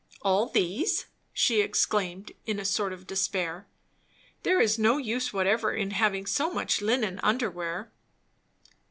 "All these!" she exclaimed in a sort of despair. "There is no use whatever in having so much linen under wear."